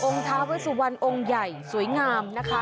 องค์ทาเวสวรองค์ใหญ่สวยงามนะคะ